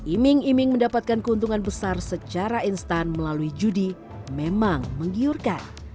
iming iming mendapatkan keuntungan besar secara instan melalui judi memang menggiurkan